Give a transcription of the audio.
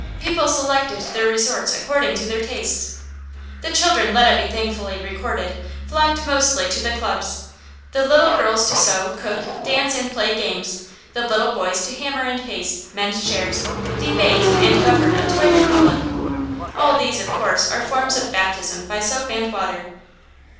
People selected their resorts according to their tastes. The children, let it be thankfully recorded, flocked mostly to the clubs; the little girls to sew, cook, dance, and play games; the little boys to hammer and paste, mend chairs, debate, and govern a toy republic. All these, of course, are forms of baptism by soap and water.